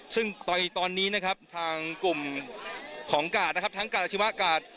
ซึ่งตอนนี้นะครับทางกลุ่มของกาดนะครับทั้งการอาชีวะกาศ